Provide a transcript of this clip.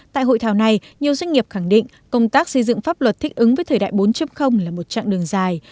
tại hội thảo này nhiều doanh nghiệp khẳng định công tác xây dựng pháp luật thích ứng với thời đại bốn là một chặng đường dài